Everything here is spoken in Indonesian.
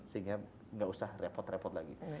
sehingga nggak usah repot repot lagi